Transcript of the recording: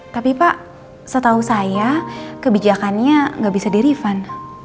tapi pak setahu saya kebijakannya gak bisa dirifan